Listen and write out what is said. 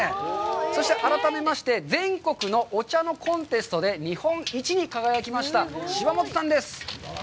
そして、改めまして全国のお茶のコンテストで日本一に輝きました柴本さんです。